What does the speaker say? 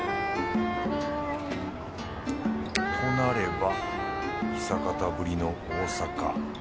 となれば久方ぶりの大阪。